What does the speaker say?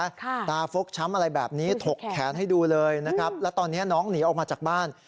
ตาฟกช้ำอะไรแบบนี้ถกแขนให้ดูเลยนะครับแล้วตอนนี้น้องหนีออกมาจากบ้าน